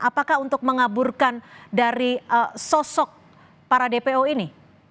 apakah untuk mengaburkan dari sosok para dpo ini